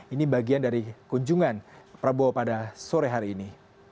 ini bagian dari kunjungan prabowo pada sore hari ini